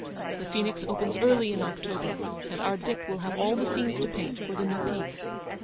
The Phoenix opens early in October, and our Dick will have all the scenes to paint for the new piece.